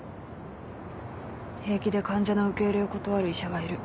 平気で患者の受け入れを断る医者がいる。